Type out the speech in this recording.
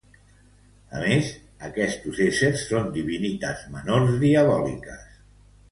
A més, estos éssers són divinitats menors diabòliques.